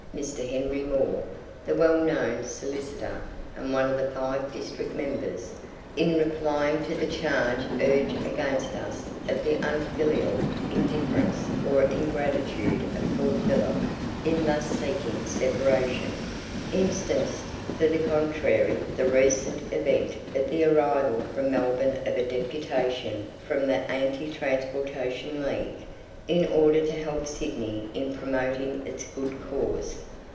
Mr. Henry Moor, the well known solicitor, and one of the five district members, in replying to the charge urged against us of the unfilial indifference or ingratitude of Port Phillip in thus seeking separation, instanced for the contrary the recent event of the arrival from Melbourne of a deputation from the Anti Transportation League, in order to help Sydney in promoting its good cause.